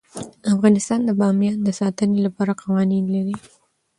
افغانستان د بامیان د ساتنې لپاره قوانین لري.